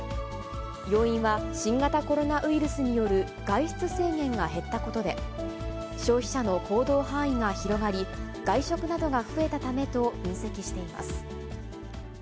要因は、新型コロナウイルスによる外出制限が減ったことで、消費者の行動範囲が広がり、外食などが増えたためと分析しています。